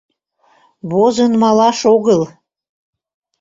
— Возын малаш огыл...